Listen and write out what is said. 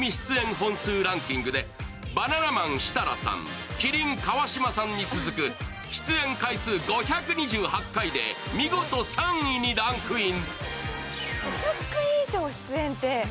本数ランキングでバナナマン・設楽さん、麒麟・川島さんに続く出演回数５２８回で見事３位にランクイン。